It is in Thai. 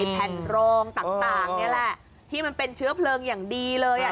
แผ่นรองต่างนี่แหละที่มันเป็นเชื้อเพลิงอย่างดีเลยอ่ะ